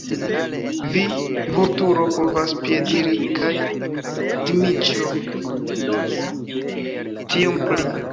Vi, Vulturo, povas piediri kaj Dmiĉjo tiom pli!